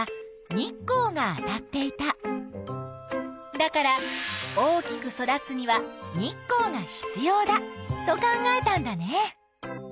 だから大きく育つには日光が必要だと考えたんだね。